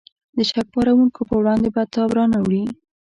د شک پارونکو په وړاندې به تاب را نه وړي.